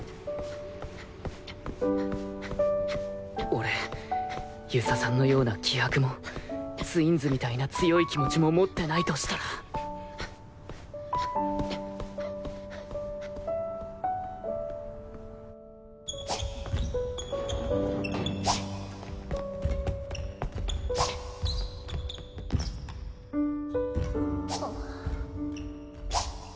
俺遊佐さんのような気迫もツインズみたいな強い気持ちも持ってないとしたらあ。